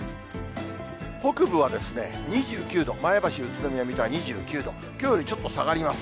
北部は２９度、前橋、宇都宮、水戸が２９度、きょうよりちょっと下がります。